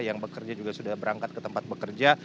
yang bekerja juga sudah berangkat ke tempat bekerja